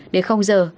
để không giờ